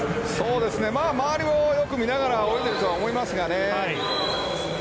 周りをよく見ながら泳いでいるとは思いますがね。